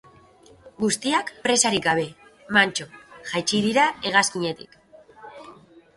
Guztiak presarik gabe, mantso, jaitsi dira hegazkinetik.